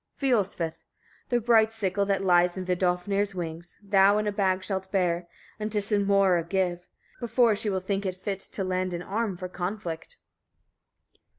Fiolsvith. 31. The bright sickle that lies in Vidofnir's wings, thou in a bag shalt bear, and to Sinmoera give, before she will think fit to lend an arm for conflict.